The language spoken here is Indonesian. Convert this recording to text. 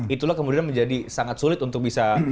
itulah kemudian menjadi sangat sulit untuk bisa